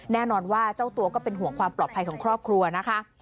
แน่นอนว่าเจ้าตัวก็เป็นห่วงความปลอดภัยของครอบครัวนะคะ